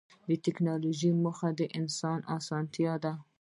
د ټکنالوجۍ موخه د انسان اسانتیا ده.